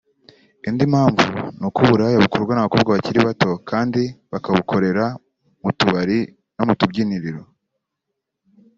Indi mpamvu ni uko uburaya bukorwa n’abakobwa bakiri bato kandi bakabukorera mu tubari no mu tubwiniro